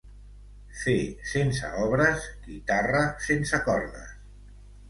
Fe sense obres, guitarra sense cordes.